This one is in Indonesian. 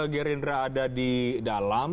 gerindra ada di dalam